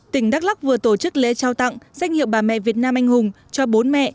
tỉnh đắk lắc vừa tổ chức lễ trao tặng danh hiệu bà mẹ việt nam anh hùng cho bốn mẹ